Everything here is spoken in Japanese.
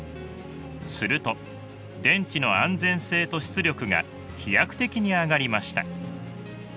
すると電池の安全性と出力が飛躍的に上がりました。